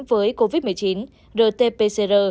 với covid một mươi chín rt pcr